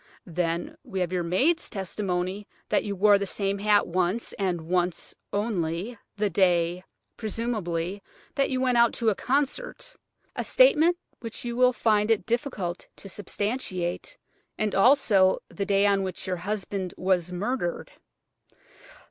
Then we have your maid's testimony that you wore that same hat once, and once only, the day, presumably, that you went out to a concert–a statement which you will find it difficult to substantiate–and also the day on which your husband was murdered."